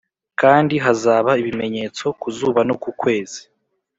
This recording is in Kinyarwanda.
Kandi hazaba ibimenyetso ku zuba no ku kwezi.